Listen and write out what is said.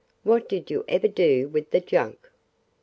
What did you ever do with the junk?"